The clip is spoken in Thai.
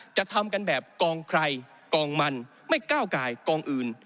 จะทำกันแบบกองใครกองมันไม่ก้าวกายกองอื่น